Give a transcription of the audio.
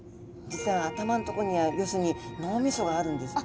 実は頭のとこにある要するに脳みそがあるんです。